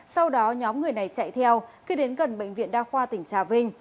sau đó nhóm người này chạy theo khi đến gần bệnh viện đa khoa tỉnh trà vinh